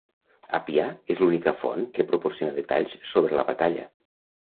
Apià és l'única font que proporciona detalls sobre la batalla.